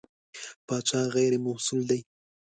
پاچا غېر مسوول دی.